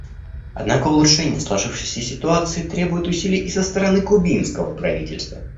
Однако улучшение сложившейся ситуации требует усилий и со стороны кубинского правительства.